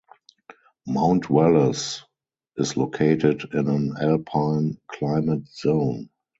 Mount Wallace is located in an alpine climate zone.